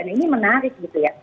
nah ini menarik gitu ya